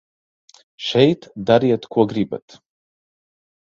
Šeit dariet, ko gribat.